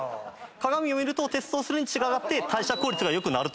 鏡を見るとテストステロン値が上がって代謝効率が良くなると。